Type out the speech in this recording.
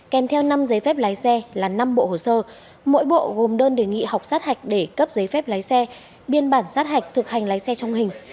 kèm theo năm giấy phép lái xe là năm bộ hồ sơ mỗi bộ gồm đơn đề nghị học sát hạch để cấp giấy phép lái xe biên bản sát hạch thực hành lái xe trong hình